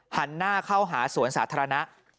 หันหน้าเข้าหาสวนสาธารณะ